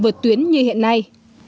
vượt tuyến như hiện nay